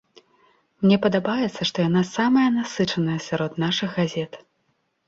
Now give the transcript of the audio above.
Мне падабаецца, што яна самая насычаная сярод нашых газет.